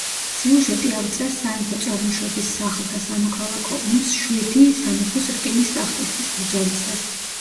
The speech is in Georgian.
სიუჟეტი აღწერს სამეფო წარმოშობის სახლთა სამოქალაქო ომს შვიდი სამეფოს რკინის ტახტისთვის ბრძოლისას.